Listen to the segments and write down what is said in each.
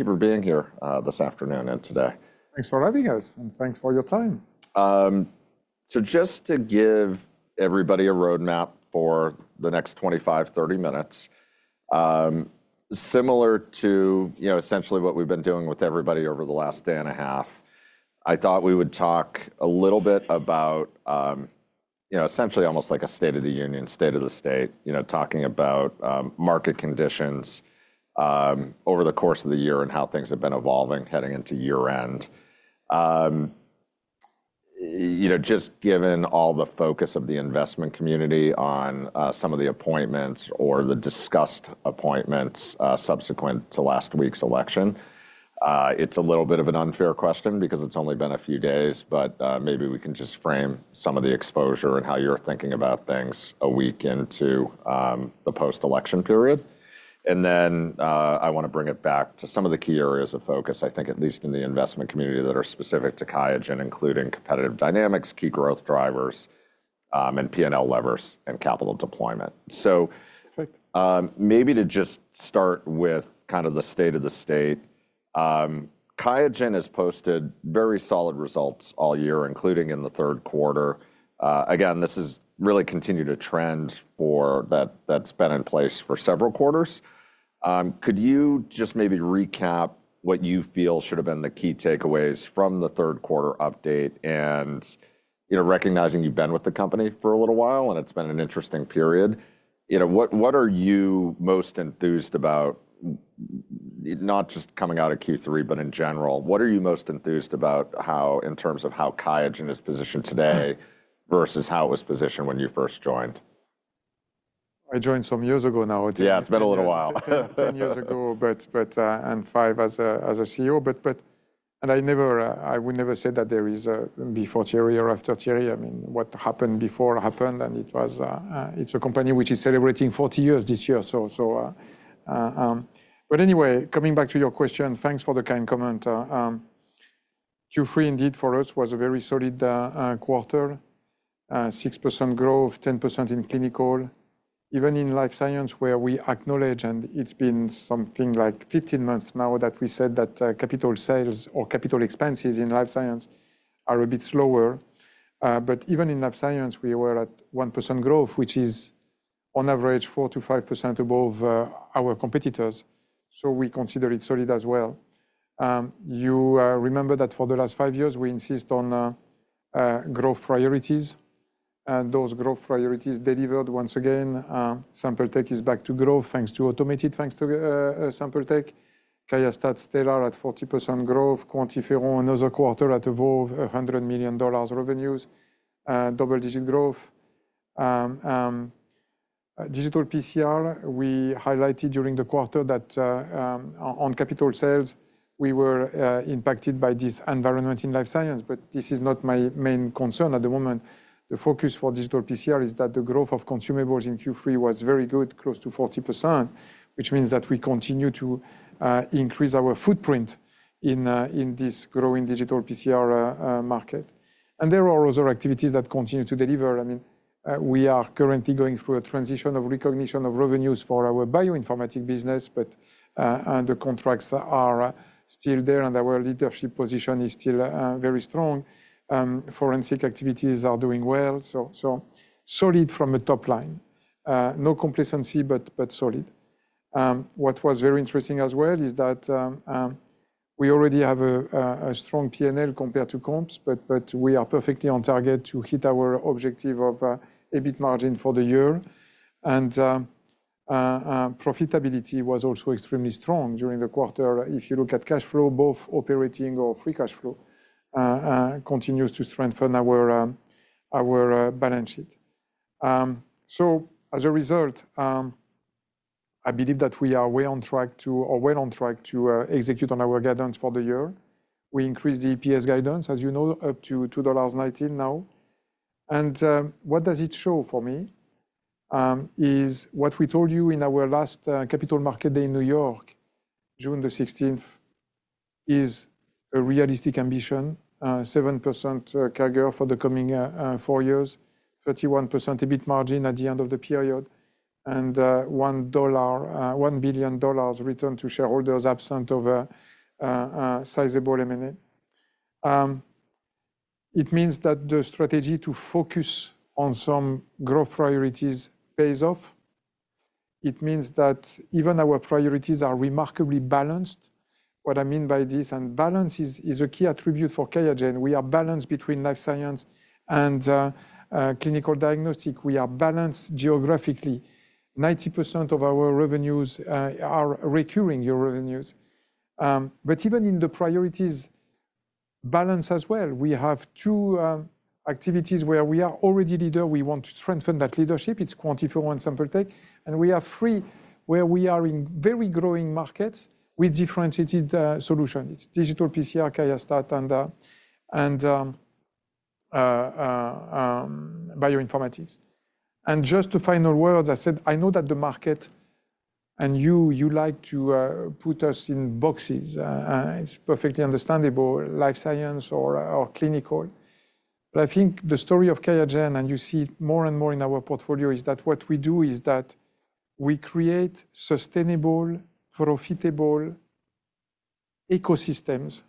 Thank you for being here this afternoon and today. Thanks for having us, and thanks for your time. So just to give everybody a roadmap for the next 25, 30 minutes, similar to essentially what we've been doing with everybody over the last day and a half, I thought we would talk a little bit about essentially almost like a state of the union, state of the state, talking about market conditions over the course of the year and how things have been evolving heading into year-end. Just given all the focus of the investment community on some of the appointments or the discussed appointments subsequent to last week's election, it's a little bit of an unfair question because it's only been a few days, but maybe we can just frame some of the exposure and how you're thinking about things a week into the post-election period. And then I want to bring it back to some of the key areas of focus, I think at least in the investment community that are specific to QIAGEN, including competitive dynamics, key growth drivers, and P&L levers and capital deployment. So maybe to just start with kind of the state of the state, QIAGEN has posted very solid results all year, including in the third quarter. Again, this has really continued a trend that's been in place for several quarters. Could you just maybe recap what you feel should have been the key takeaways from the third quarter update? Recognizing you've been with the company for a little while and it's been an interesting period, what are you most enthused about, not just coming out of Q3, but in general, what are you most enthused about in terms of how QIAGEN is positioned today versus how it was positioned when you first joined? I joined some years ago now. Yeah, it's been a little while. 10 years ago, and five as a CEO. And I would never say that there is before Thierry or after Thierry. I mean, what happened before happened, and it's a company which is celebrating 40 years this year. But anyway, coming back to your question, thanks for the kind comment. Q3 indeed for us was a very solid quarter, 6% growth, 10% in clinical, even in life science where we acknowledge, and it's been something like 15 months now that we said that capital sales or capital expenses in life science are a bit slower. But even in life science, we were at 1% growth, which is on average 4%-5% above our competitors. So we consider it solid as well. You remember that for the last five years, we insist on growth priorities, and those growth priorities delivered. Once again, Sample Tech is back to growth thanks to automation, thanks to Sample Tech. QIAstat still are at 40% growth. QuantiFERON, another quarter at above $100 million revenues, double-digit growth. Digital PCR, we highlighted during the quarter that on capital sales, we were impacted by this environment in life science, but this is not my main concern at the moment. The focus for digital PCR is that the growth of consumables in Q3 was very good, close to 40%, which means that we continue to increase our footprint in this growing digital PCR market. And there are other activities that continue to deliver. I mean, we are currently going through a transition of recognition of revenues for our bioinformatics business, but the contracts are still there and our leadership position is still very strong. Forensics activities are doing well, so solid from a top line. No complacency, but solid. What was very interesting as well is that we already have a strong P&L compared to comps, but we are perfectly on target to hit our objective of EBIT margin for the year. And profitability was also extremely strong during the quarter. If you look at cash flow, both operating or free cash flow continues to strengthen our balance sheet. So as a result, I believe that we are well on track to execute on our guidance for the year. We increased the EPS guidance, as you know, up to $2.19 now. And what does it show for me is what we told you in our last Capital Markets Day in New York, June the 16th, is a realistic ambition, 7% CAGR for the coming four years, 31% EBIT margin at the end of the period, and $1 billion return to shareholders absent of sizable M&A. It means that the strategy to focus on some growth priorities pays off. It means that even our priorities are remarkably balanced. What I mean by this, and balance is a key attribute for QIAGEN, we are balanced between life science and clinical diagnostic. We are balanced geographically. 90% of our revenues are recurring year revenues, but even in the priorities balance as well, we have two activities where we are already leaders. We want to strengthen that leadership. It's QuantiFERON and Sample Tech, and we have three where we are in very growing markets with differentiated solutions. It's digital PCR, QIAstat, and bioinformatics, and just two final words, I said, I know that the market, and you like to put us in boxes. It's perfectly understandable, life science or clinical. But I think the story of QIAGEN, and you see it more and more in our portfolio, is that what we do is that we create sustainable, profitable ecosystems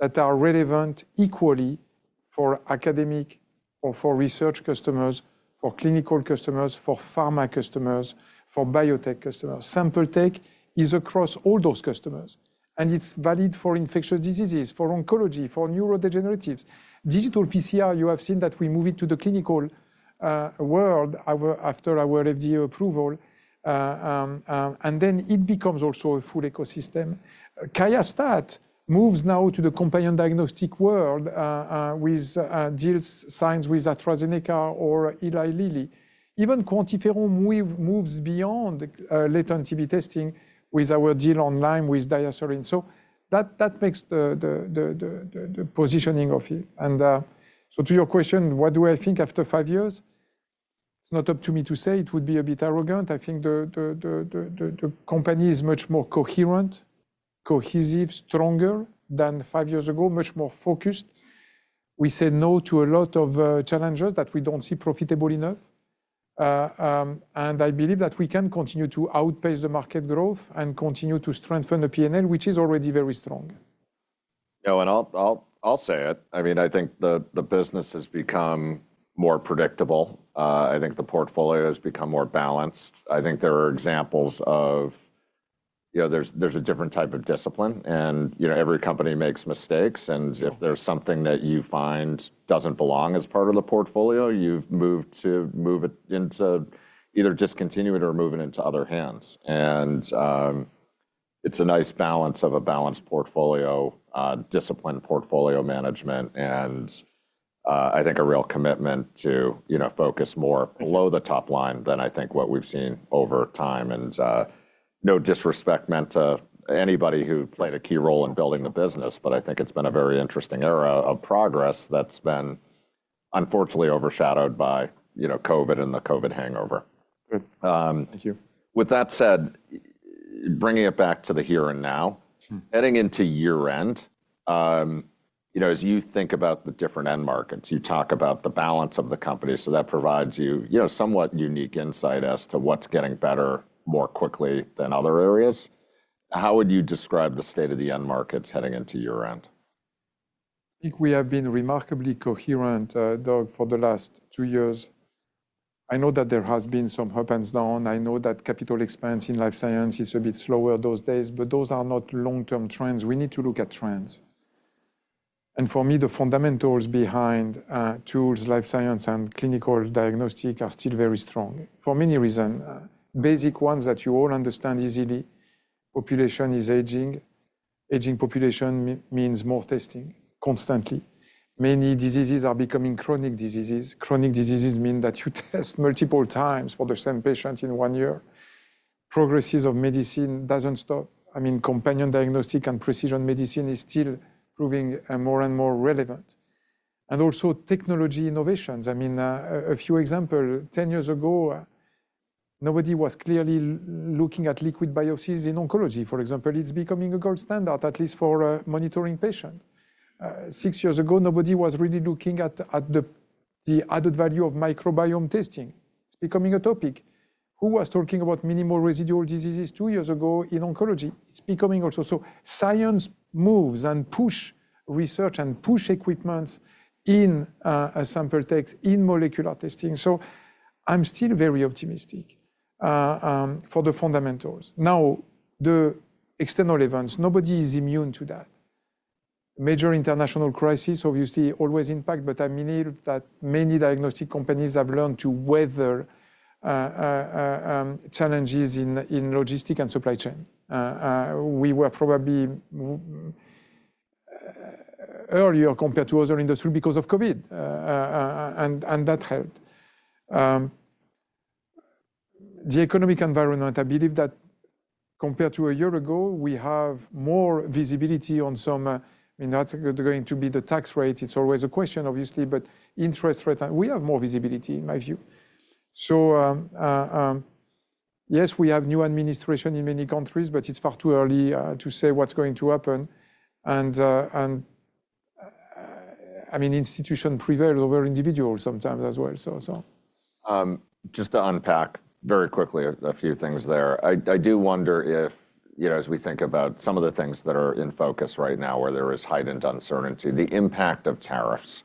that are relevant equally for academic or for research customers, for clinical customers, for pharma customers, for biotech customers. Sample Technologies is across all those customers. And it's valid for infectious diseases, for oncology, for neurodegeneratives. Digital PCR, you have seen that we move it to the clinical world after our FDA approval. And then it becomes also a full ecosystem. QIAstat-Dx moves now to the companion diagnostic world with deals signed with AstraZeneca or Eli Lilly. Even QuantiFERON moves beyond latent TB testing with our deal on Lyme with DiaSorin. So that makes the positioning of it. And so to your question, what do I think after five years? It's not up to me to say. It would be a bit arrogant. I think the company is much more coherent, cohesive, stronger than five years ago, much more focused. We said no to a lot of challenges that we don't see profitable enough. And I believe that we can continue to outpace the market growth and continue to strengthen the P&L, which is already very strong. Yeah, and I'll say it. I mean, I think the business has become more predictable. I think the portfolio has become more balanced. I think there are examples of there's a different type of discipline, and every company makes mistakes. And if there's something that you find doesn't belong as part of the portfolio, you've moved to move it into either discontinuing it or moving it into other hands. And it's a nice balance of a balanced portfolio, disciplined portfolio management, and I think a real commitment to focus more below the top line than I think what we've seen over time. And no disrespect meant to anybody who played a key role in building the business, but I think it's been a very interesting era of progress that's been unfortunately overshadowed by COVID and the COVID hangover. Thank you. With that said, bringing it back to the here and now, heading into year-end, as you think about the different end markets, you talk about the balance of the company, so that provides you somewhat unique insight as to what's getting better more quickly than other areas. How would you describe the state of the end markets heading into year-end? I think we have been remarkably coherent, Doug, for the last two years. I know that there has been some ups and downs. I know that capital expense in life science is a bit slower these days, but those are not long-term trends. We need to look at trends. And for me, the fundamentals behind tools, life science, and clinical diagnostic are still very strong for many reasons. Basic ones that you all understand easily. Population is aging. Aging population means more testing constantly. Many diseases are becoming chronic diseases. Chronic diseases mean that you test multiple times for the same patient in one year. Progress of medicine doesn't stop. I mean, companion diagnostic and precision medicine is still proving more and more relevant. And also technology innovations. I mean, a few examples, 10 years ago, nobody was clearly looking at liquid biopsies in oncology. For example, it's becoming a gold standard, at least for monitoring patients. Six years ago, nobody was really looking at the added value of microbiome testing. It's becoming a topic. Who was talking about minimal residual diseases two years ago in oncology? It's becoming also. So science moves and pushes research and pushes equipment in Sample Tech, in molecular testing. So I'm still very optimistic for the fundamentals. Now, the external events, nobody is immune to that. Major international crises, obviously, always impact, but I believe that many diagnostic companies have learned to weather challenges in logistics and supply chain. We were probably earlier compared to other industries because of COVID, and that helped. The economic environment, I believe that compared to a year ago, we have more visibility on some. I mean, that's going to be the tax rate. It's always a question, obviously, but interest rate, we have more visibility, in my view. So yes, we have new administration in many countries, but it's far too early to say what's going to happen. And I mean, institution prevails over individual sometimes as well. Just to unpack very quickly a few things there. I do wonder if, as we think about some of the things that are in focus right now where there is heightened uncertainty, the impact of tariffs.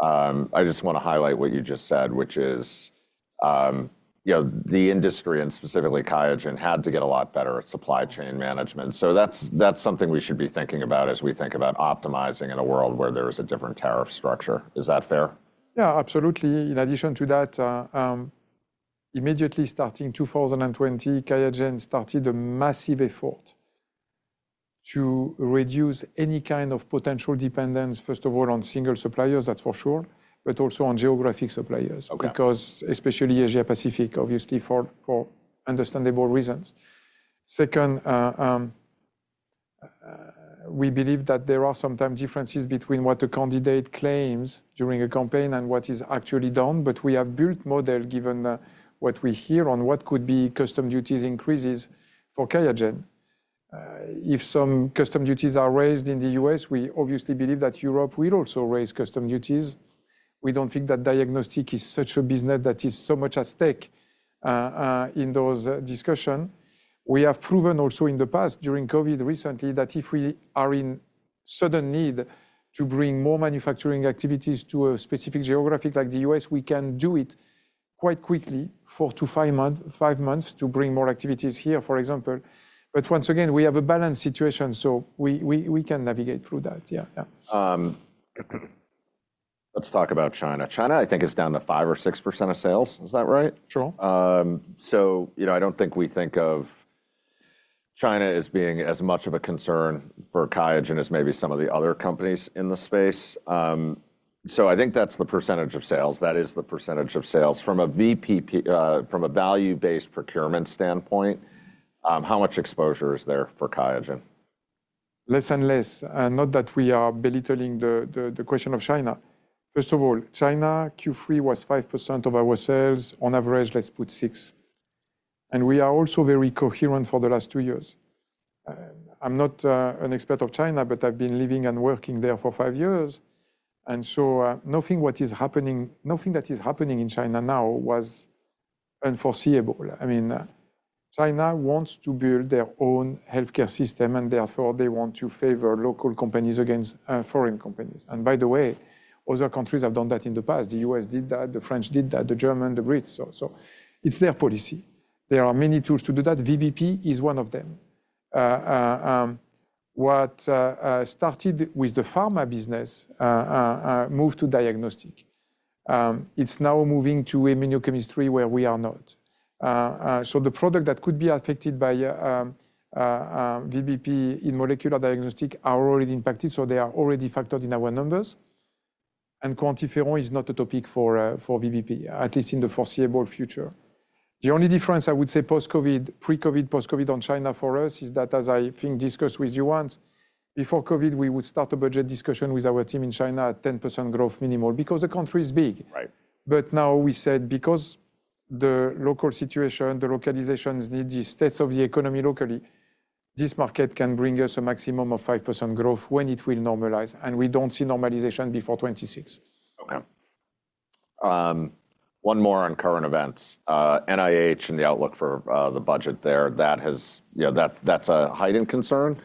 I just want to highlight what you just said, which is the industry, and specifically QIAGEN, had to get a lot better at supply chain management. So that's something we should be thinking about as we think about optimizing in a world where there is a different tariff structure. Is that fair? Yeah, absolutely. In addition to that, immediately starting 2020, QIAGEN started a massive effort to reduce any kind of potential dependence, first of all, on single suppliers, that's for sure, but also on geographic suppliers, because especially Asia Pacific, obviously, for understandable reasons. Second, we believe that there are sometimes differences between what a candidate claims during a campaign and what is actually done. But we have built model given what we hear on what could be customs duties increases for QIAGEN. If some customs duties are raised in the U.S., we obviously believe that Europe will also raise customs duties. We don't think that diagnostics is such a business that is so much at stake in those discussions. We have proven also in the past during COVID recently that if we are in sudden need to bring more manufacturing activities to a specific geographic like the U.S., we can do it quite quickly for two to five months to bring more activities here, for example. But once again, we have a balanced situation, so we can navigate through that. Yeah, yeah. Let's talk about China. China, I think, is down to 5% or 6% of sales. Is that right? Sure. So I don't think we think of China as being as much of a concern for QIAGEN as maybe some of the other companies in the space. So I think that's the percentage of sales. That is the percentage of sales. From a value-based procurement standpoint, how much exposure is there for QIAGEN? Less and less. Not that we are belittling the question of China. First of all, China, Q3 was 5% of our sales. On average, let's put 6%, and we are also very coherent for the last two years. I'm not an expert of China, but I've been living and working there for five years, and so nothing that is happening in China now was unforeseeable. I mean, China wants to build their own healthcare system, and therefore they want to favor local companies against foreign companies, and by the way, other countries have done that in the past. The U.S. did that, the French did that, the Germans, the Brits, so it's their policy. There are many tools to do that. VBP is one of them. What started with the pharma business moved to diagnostic. It's now moving to immunochemistry where we are not. So the product that could be affected by VBP in molecular diagnostic are already impacted. So they are already factored in our numbers. And QuantiFERON is not a topic for VBP, at least in the foreseeable future. The only difference, I would say, post-COVID, pre-COVID, post-COVID on China for us is that, as I think discussed with you once, before COVID, we would start a budget discussion with our team in China at 10% growth minimal, because the country is big. But now we said because the local situation, the localizations need the steps of the economy locally, this market can bring us a maximum of 5% growth when it will normalize. And we don't see normalization before 2026. Okay. One more on current events. NIH and the outlook for the budget there, that's a heightened concern.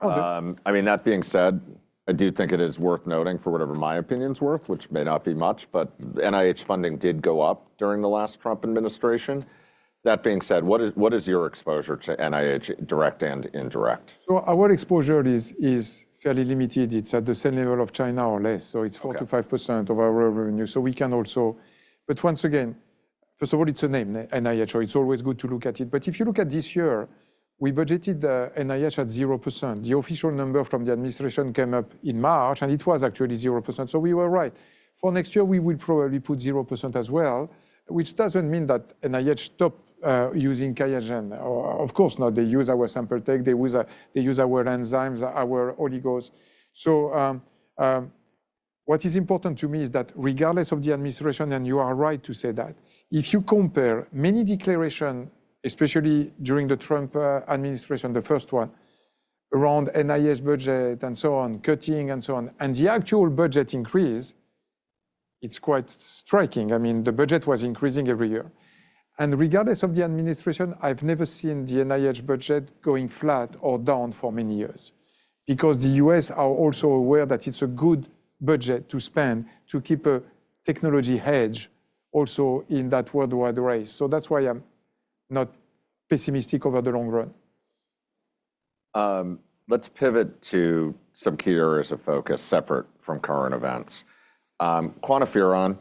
I mean, that being said, I do think it is worth noting for whatever my opinion's worth, which may not be much, but NIH funding did go up during the last Trump administration. That being said, what is your exposure to NIH, direct and indirect? So our exposure is fairly limited. It's at the same level of China or less. So it's 4% to 5% of our revenue. So we can also, but once again, first of all, it's a name, NIH, so it's always good to look at it. But if you look at this year, we budgeted NIH at 0%. The official number from the administration came up in March, and it was actually 0%. So we were right. For next year, we will probably put 0% as well, which doesn't mean that NIH stopped using QIAGEN. Of course not. They use our Sample Tech. They use our enzymes, our oligos. So what is important to me is that regardless of the administration, and you are right to say that, if you compare many declarations, especially during the Trump administration, the first one, around NIH budget and so on, cutting and so on, and the actual budget increase, it's quite striking. I mean, the budget was increasing every year. And regardless of the administration, I've never seen the NIH budget going flat or down for many years, because the U.S. are also aware that it's a good budget to spend to keep a technology hedge also in that worldwide race. So that's why I'm not pessimistic over the long run. Let's pivot to some key areas of focus separate from current events. QuantiFERON,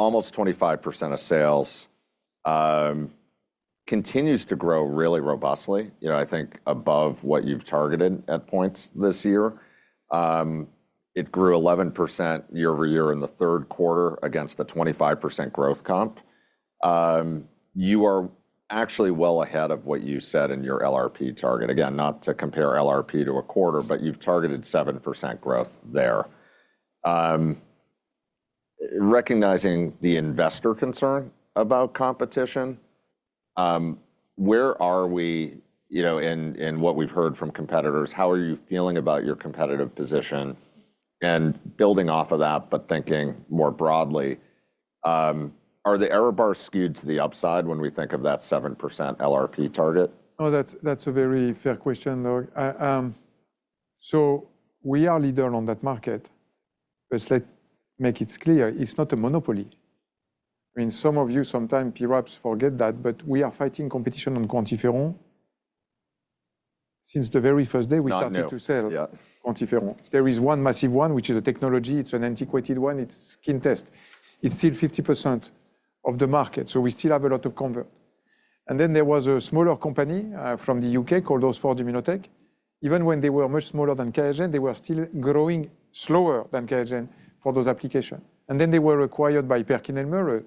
almost 25% of sales, continues to grow really robustly. I think above what you've targeted at points this year. It grew 11% year-over-year in the third quarter against a 25% growth comp. You are actually well ahead of what you said in your LRP target. Again, not to compare LRP to a quarter, but you've targeted 7% growth there. Recognizing the investor concern about competition, where are we in what we've heard from competitors? How are you feeling about your competitive position? And building off of that, but thinking more broadly, are the error bars skewed to the upside when we think of that 7% LRP target? Oh, that's a very fair question, Doug. So we are leader on that market. Let's make it clear. It's not a monopoly. I mean, some of you sometimes perhaps forget that, but we are fighting competition on QuantiFERON. Since the very first day we started to sell QuantiFERON. There is one massive one, which is a technology. It's an antiquated one. It's skin test. It's still 50% of the market. So we still have a lot of convert. And then there was a smaller company from the UK called Oxford Immunotec. Even when they were much smaller than QIAGEN, they were still growing slower than QIAGEN for those applications. And then they were acquired by PerkinElmer,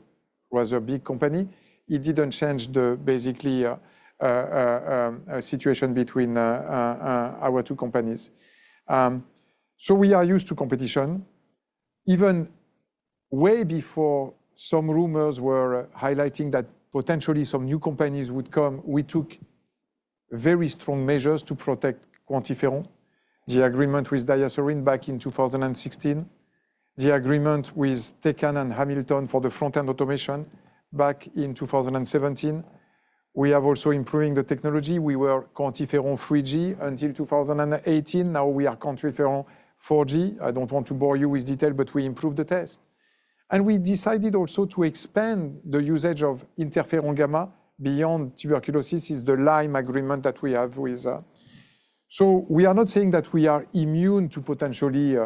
who was a big company. It didn't change basically the situation between our two companies. So we are used to competition. Even way before some rumors were highlighting that potentially some new companies would come, we took very strong measures to protect QuantiFERON. The agreement with DiaSorin back in 2016, the agreement with Tecan and Hamilton for the front-end automation back in 2017. We are also improving the technology. We were QuantiFERON 3G until 2018. Now we are QuantiFERON 4G. I don't want to bore you with detail, but we improved the test. And we decided also to expand the usage of interferon Gamma beyond tuberculosis. It's the Lyme Disease agreement that we have with. So we are not saying that we are immune to potentially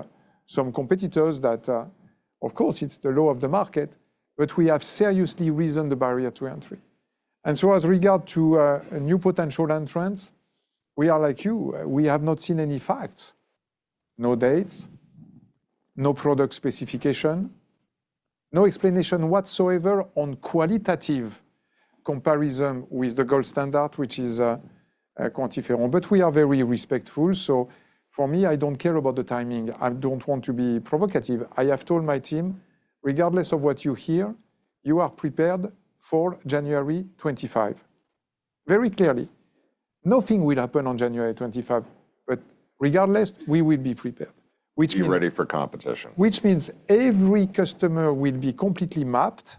some competitors that, of course, it's the law of the market, but we have seriously raised the barrier to entry. And so as regards a new potential entrants, we are like you. We have not seen any facts, no dates, no product specification, no explanation whatsoever on qualitative comparison with the gold standard, which is QuantiFERON. But we are very respectful. So for me, I don't care about the timing. I don't want to be provocative. I have told my team, regardless of what you hear, you are prepared for January 25. Very clearly. Nothing will happen on January 25, but regardless, we will be prepared. Be ready for competition. Which means every customer will be completely mapped,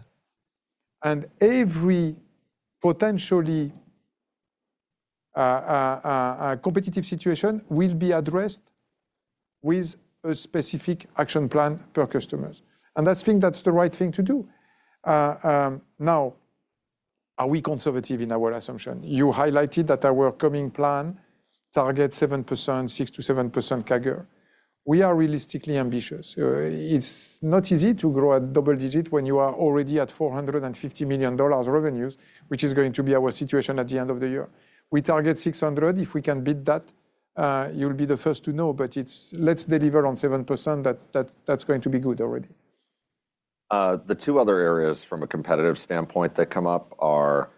and every potentially competitive situation will be addressed with a specific action plan per customers. And I think that's the right thing to do. Now, are we conservative in our assumption? You highlighted that our coming plan targets 6%-7% CAGR. We are realistically ambitious. It's not easy to grow at double digits when you are already at $450 million revenues, which is going to be our situation at the end of the year. We target $600. If we can beat that, you'll be the first to know. But let's deliver on 7%. That's going to be good already. The two other areas from a competitive standpoint that come up are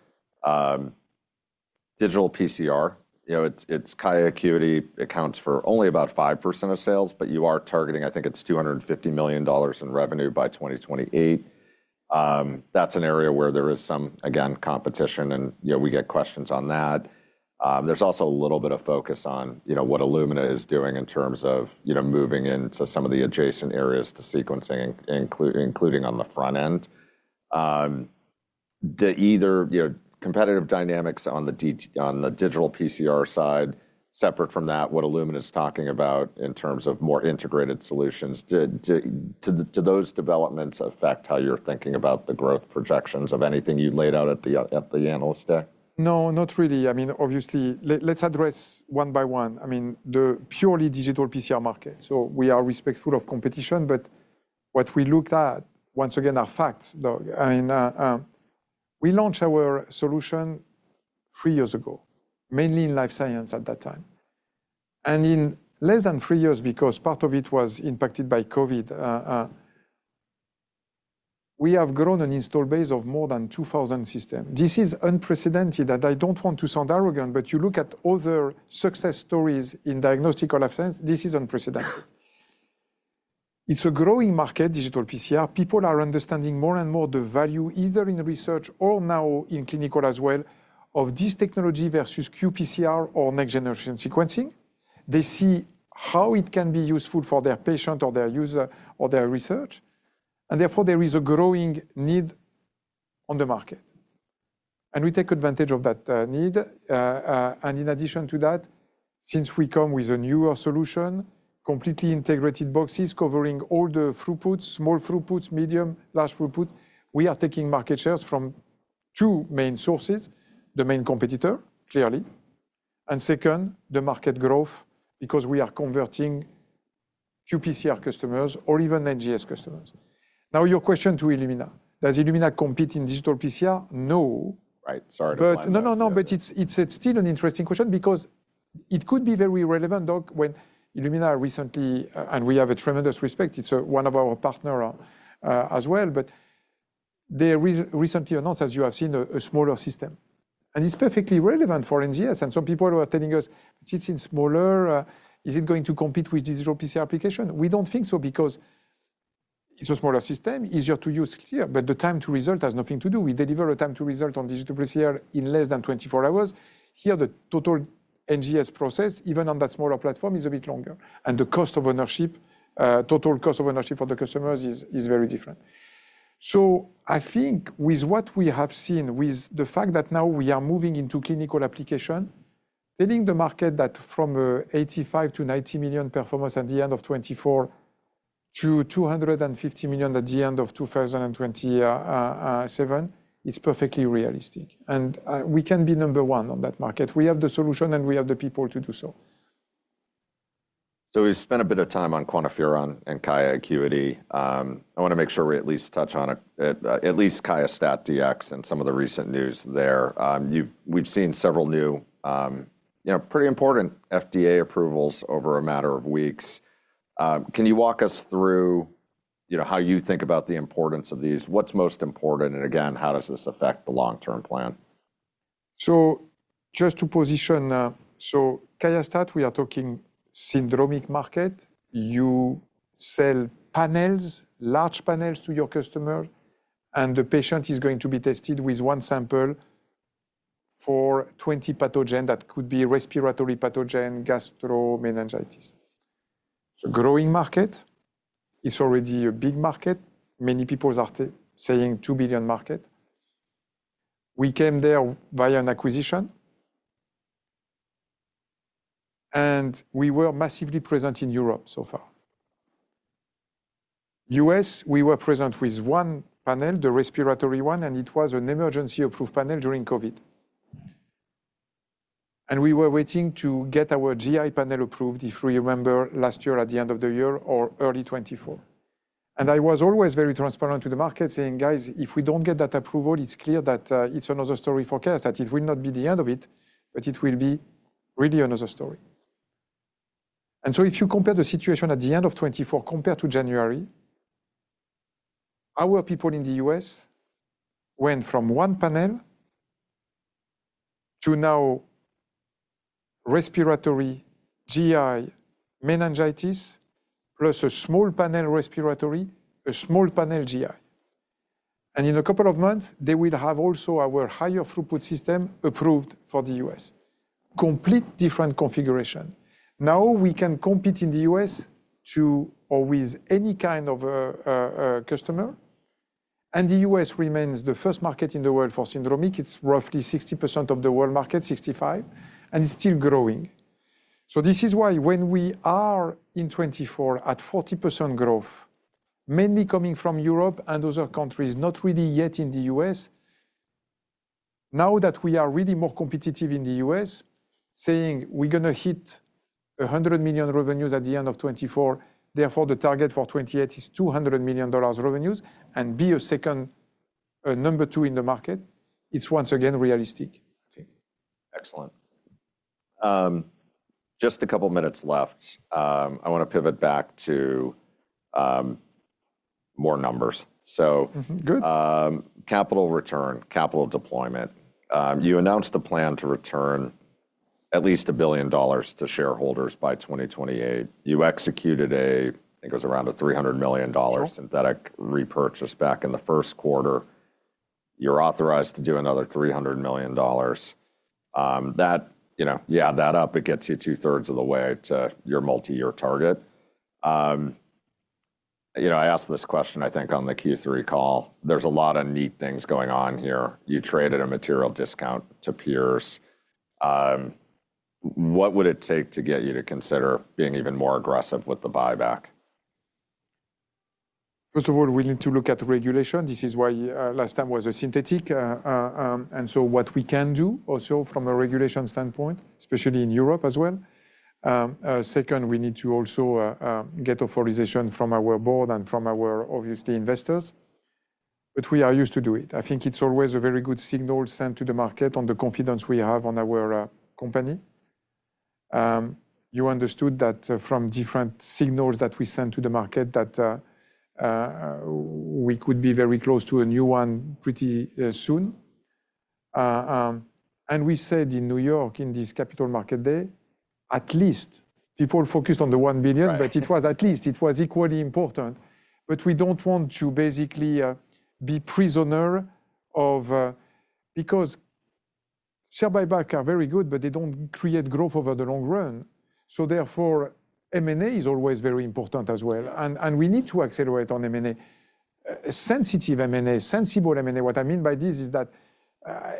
digital PCR. It's QIAcuity. It accounts for only about 5% of sales, but you are targeting, I think it's $250 million in revenue by 2028. That's an area where there is some, again, competition, and we get questions on that. There's also a little bit of focus on what Illumina is doing in terms of moving into some of the adjacent areas to sequencing, including on the front end. Competitive dynamics on the digital PCR side, separate from that, what Illumina is talking about in terms of more integrated solutions. Do those developments affect how you're thinking about the growth projections of anything you laid out at the analyst deck? No, not really. I mean, obviously, let's address one by one. I mean, the purely digital PCR market. So we are respectful of competition, but what we looked at, once again, are facts. We launched our solution three years ago, mainly in life science at that time, and in less than three years, because part of it was impacted by COVID, we have grown an installed base of more than 2,000 systems. This is unprecedented, and I don't want to sound arrogant, but you look at other success stories in diagnostic or life science. This is unprecedented. It's a growing market, digital PCR. People are understanding more and more the value either in research or now in clinical as well of this technology versus qPCR or next-generation sequencing. They see how it can be useful for their patient or their user or their research. And therefore, there is a growing need on the market. And we take advantage of that need. And in addition to that, since we come with a newer solution, completely integrated boxes covering all the throughputs, small throughputs, medium, large throughputs, we are taking market shares from two main sources. The main competitor, clearly. And second, the market growth, because we are converting qPCR customers or even NGS customers. Now, your question to Illumina, does Illumina compete in digital PCR? No. Right. Sorry to interrupt. But no, no, no. But it's still an interesting question because it could be very relevant, Doug, when Illumina recently, and we have a tremendous respect. It's one of our partners as well. But they recently announced, as you have seen, a smaller system. And it's perfectly relevant for NGS. And some people were telling us, it's a smaller. Is it going to compete with digital PCR application? We don't think so because it's a smaller system, easier to use here. But the time to result has nothing to do. We deliver a time to result on digital PCR in less than 24 hours. Here, the total NGS process, even on that smaller platform, is a bit longer. And the cost of ownership, total cost of ownership for the customers is very different. I think with what we have seen, with the fact that now we are moving into clinical application, telling the market that from $85-$90 million performance at the end of 2024 to $250 million at the end of 2027, it's perfectly realistic. And we can be number one on that market. We have the solution, and we have the people to do so. So we've spent a bit of time on QuantiFERON and QIAcuity. I want to make sure we at least touch on at least QIAstat-Dx and some of the recent news there. We've seen several new pretty important FDA approvals over a matter of weeks. Can you walk us through how you think about the importance of these? What's most important? And again, how does this affect the long-term plan? Just to position QIAstat, we are talking syndromic market. You sell panels, large panels to your customers. And the patient is going to be tested with one sample for 20 pathogens that could be respiratory pathogens, gastro, meningitis. It's a growing market. It's already a big market. Many people are saying $2 billion market. We came there via an acquisition. And we were massively present in Europe so far. U.S., we were present with one panel, the respiratory one. And it was an emergency-approved panel during COVID. And we were waiting to get our GI panel approved, if we remember, last year at the end of the year or early 2024. And I was always very transparent to the market, saying, guys, if we don't get that approval, it's clear that it's another story for QIAstat. It will not be the end of it, but it will be really another story. And so if you compare the situation at the end of 2024 compared to January, our people in the U.S. went from one panel to now respiratory, GI, meningitis, plus a small panel respiratory, a small panel GI. And in a couple of months, they will have also our higher throughput system approved for the U.S. Completely different configuration. Now we can compete in the U.S. or with any kind of customer. And the U.S. remains the first market in the world for syndromic. It's roughly 60% of the world market, 65%. And it's still growing. So this is why when we are in 2024 at 40% growth, mainly coming from Europe and other countries, not really yet in the US, now that we are really more competitive in the US, saying we're going to hit $100 million revenues at the end of 2024, therefore the target for 2028 is $200 million revenues and be a solid number two in the market, it's once again realistic, I think. Excellent. Just a couple of minutes left. I want to pivot back to more numbers. So capital return, capital deployment. You announced a plan to return at least $1 billion to shareholders by 2028. You executed a, I think it was around a $300 million synthetic repurchase back in the first quarter. You're authorized to do another $300 million. That adds that up. It gets you two-thirds of the way to your multi-year target. I asked this question, I think, on the Q3 call. There's a lot of neat things going on here. You traded a material discount to peers. What would it take to get you to consider being even more aggressive with the buyback? First of all, we need to look at regulation. This is why last time was a synthetic. And so what we can do also from a regulation standpoint, especially in Europe as well. Second, we need to also get authorization from our board and from our, obviously, investors. But we are used to do it. I think it's always a very good signal sent to the market on the confidence we have on our company. You understood that from different signals that we sent to the market that we could be very close to a new one pretty soon. And we said in New York in this Capital Markets Day, at least people focused on the $1 billion, but it was at least. It was equally important. But we don't want to basically be prisoners of because share buybacks are very good, but they don't create growth over the long run. So therefore, M&A is always very important as well. And we need to accelerate on M&A. Sensible M&A, sensible M&A. What I mean by this is that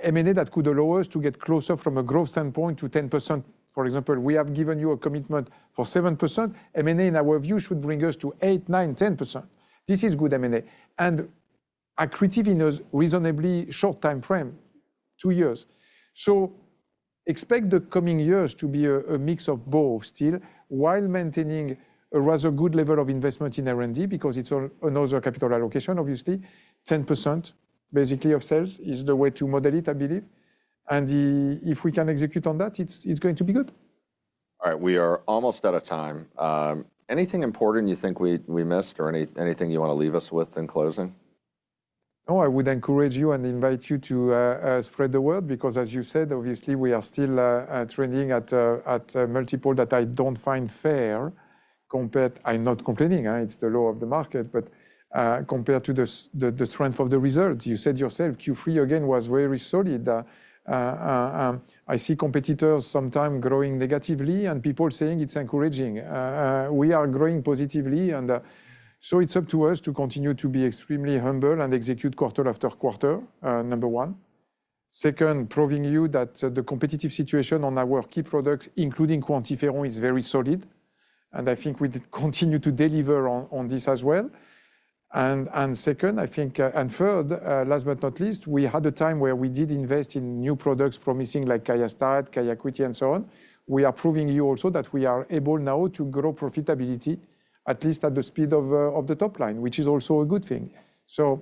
M&A that could allow us to get closer, from a growth standpoint, to 10%. For example, we have given you a commitment for 7%. M&A in our view should bring us to 8%, 9%, 10%. This is good M&A. And accretive in a reasonably short time frame, two years. So expect the coming years to be a mix of both still while maintaining a rather good level of investment in R&D because it's another capital allocation, obviously. 10% basically of sales is the way to model it, I believe. If we can execute on that, it's going to be good. All right. We are almost out of time. Anything important you think we missed or anything you want to leave us with in closing? No, I would encourage you and invite you to spread the word because, as you said, obviously, we are still trading at a multiple that I don't find fair. I'm not complaining. It's the law of the market. But compared to the strength of the result, you said yourself, Q3 again was very solid. I see competitors sometimes growing negatively and people saying it's encouraging. We are growing positively. And so it's up to us to continue to be extremely humble and execute quarter after quarter, number one. Second, proving you that the competitive situation on our key products, including QuantiFERON, is very solid. And I think we continue to deliver on this as well. And second, I think, and third, last but not least, we had a time where we did invest in new products promising like QIAstat, QIAcuity, and so on. We are proving you also that we are able now to grow profitability, at least at the speed of the top line, which is also a good thing. So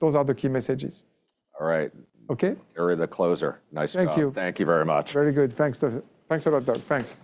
those are the key messages. All right. Okay. You're the closer. Nice job. Thank you. Thank you very much. Very good. Thanks a lot, Doug. Thanks.